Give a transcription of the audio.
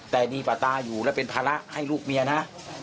แต่ดีกว่าตาอยู่และเป็นภาระให้ลูกเมียนะ